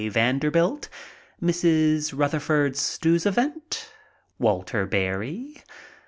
Vanderbilt, Mrs. Rutherford Stuyvesant, Walter Berry, M.